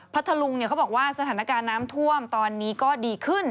ทะลุงเขาบอกว่าสถานการณ์น้ำท่วมตอนนี้ก็ดีขึ้น